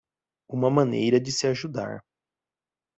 uma maneira de se ajudar